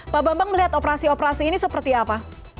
pak bambang melihat operasi operasi ini seperti apa